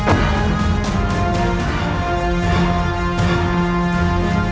aku akan menangkapmu